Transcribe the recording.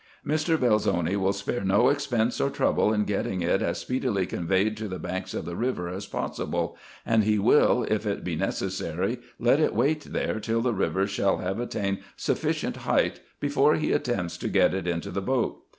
" Mr. Belzoni will spare no expense or trouble in getting it as speedily conveyed to the banks of the river as possible ; and he will, if it be necessary, let it wait there till the river shall have attained sufficient height, before he attempts to get it into the boat.